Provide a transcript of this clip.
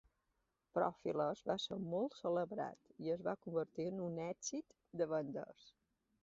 "Profiles" va ser molt celebrat i es va convertir en un èxit de vendes.